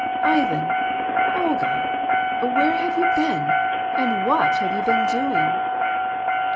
"Ivan! Olga! where have you been? what have you been doing?"